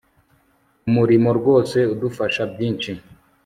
umurimo rwose udufasha byinshi